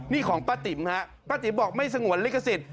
นี่ของป้าติ๋มฮะป้าติ๋มบอกไม่สงวนลิขสิทธิ